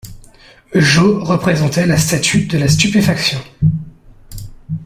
Joe représentait la statue de la stupéfaction!